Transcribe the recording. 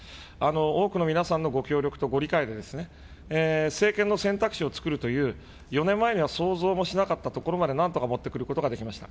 多くの皆さんのご協力とご理解でですね、政権の選択肢を作るという、４年前には想像もしなかったところまで、なんとか持ってくることができました。